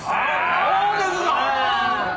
そうですか！